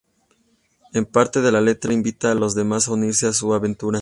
En parte de la letra invita a los demás a unirse a su aventura.